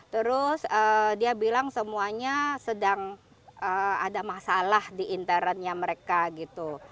terus dia bilang semuanya sedang ada masalah di internetnya mereka gitu